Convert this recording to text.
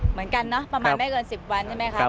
เหมือนกันเนอะประมาณไม่เกิน๑๐วันใช่ไหมครับ